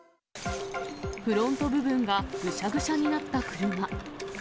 フロント部分がぐしゃぐしゃになった車。